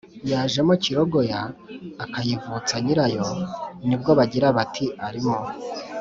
yajemo kirogoya ikayavutsa nyirayo ni bwo bagira bati: “Arimo